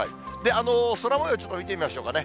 空もようをちょっと見てみましょうかね。